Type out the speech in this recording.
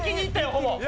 ほぼ！